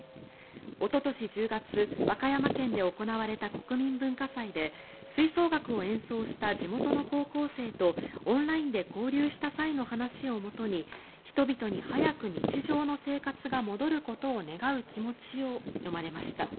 おととし１０月和歌山県で行われた国民文化祭で吹奏楽を演奏した地元の高校生とオンラインで交流した際の話をもとに人々に早く日常の生活が戻ることを願う気持ちを詠まれました。